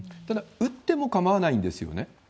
ただ、打ってもかまわないんですよね。